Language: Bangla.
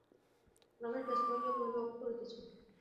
রমেশ ব্যস্ত হইয়া কহিল, ও কী করিতেছ?